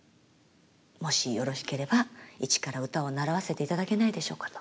もしよろしければ一から歌を習わせていただけないでしょうかと。